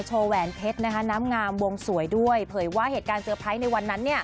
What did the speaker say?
แล้วสรุปมันอย่างไรกันนะ